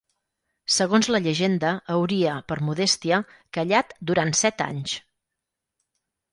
Segons la llegenda, hauria, per modèstia, callat durant set anys.